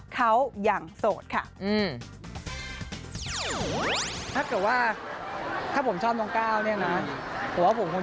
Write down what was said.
เขาอย่างโสดค่ะถ้าเกิดว่าถ้าผมชอบน้องก้าวเนี่ยนะผมคง